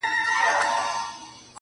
په ټول ښار کي مي دښمن دا یو قصاب دی.!